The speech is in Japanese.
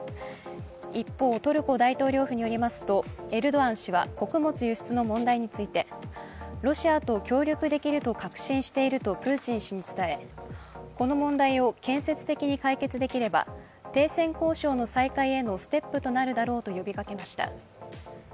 一方、トルコ大統領府によりますとエルドアン氏は穀物輸出の問題についてロシアと協力できると確信しているとプーチン氏に伝えこの問題を建設的に解決できれば停戦交渉の再開へのステップとなるだろうと呼びかけました。